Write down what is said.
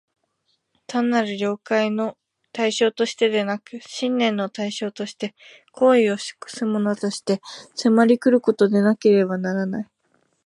単なる了解の対象としてでなく、信念の対象として、行為を唆すものとして、迫り来ることでなければならない。